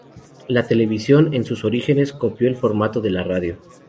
La televisión, en sus orígenes, copió el formato de la radio.